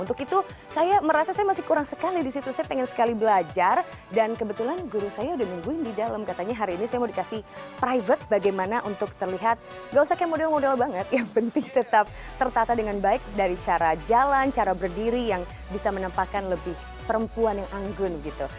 untuk itu saya merasa saya masih kurang sekali disitu saya pengen sekali belajar dan kebetulan guru saya udah nungguin di dalam katanya hari ini saya mau dikasih private bagaimana untuk terlihat gak usah kayak model model banget yang penting tetap tertata dengan baik dari cara jalan cara berdiri yang bisa menempakan lebih perempuan yang anggun gitu